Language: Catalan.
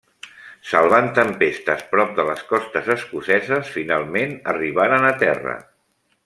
Salvant tempestes prop de les costes escoceses finalment arribaren a terra.